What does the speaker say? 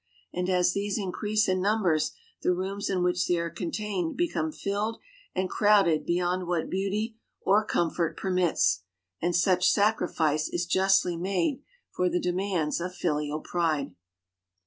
and as these increase in numbers, the rooms in which they are contained become filled and crowded beyond what beauty or comfort permits, and such sacrifice is justly made for the demands of filial pride.